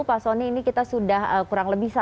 pak sondi ini kita sudah kurang lebih satu hari